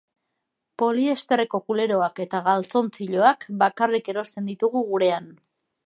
Poliesterreko kuleroak eta galtzontziloak bakarrik erosten ditugu gurean.